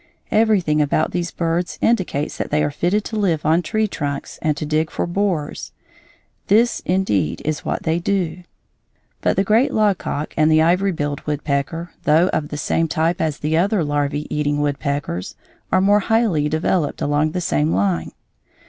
Everything about these birds indicates that they are fitted to live on tree trunks and to dig for borers. This, indeed, is what they do. But the great logcock and the ivory billed woodpecker, though of the same type as the other larvæ eating woodpeckers, are more highly developed along the same line.